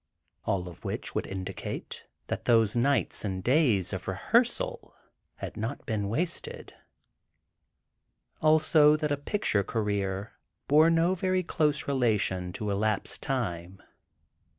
All of which would indicate that those nights and days of rehearsal had not been wasted; also, that a picture "career" bore no very close relation to elapsed time.